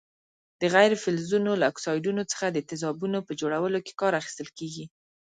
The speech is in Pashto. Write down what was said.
د غیر فلزونو له اکسایډونو څخه د تیزابونو په جوړولو کې کار اخیستل کیږي.